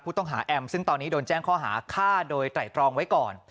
แอมซึ่งตอนนี้โดนแจ้งข้อหาฆ่าโดยไตรตรองไว้ก่อน